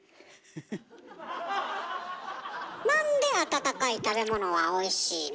なんで温かい食べ物はおいしいの？